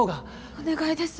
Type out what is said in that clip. お願いです